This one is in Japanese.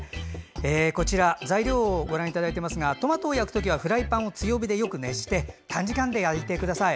こちら、材料をご覧いただいていますがトマトを焼くときはフライパンを強火でよく熱して短時間で焼いてください。